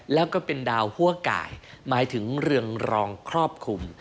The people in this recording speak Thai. แล้วก็เป็นดาวหัวไก่หมายถึงเรืองรองครอบคลุม